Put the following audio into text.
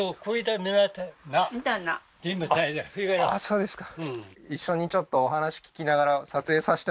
そうですか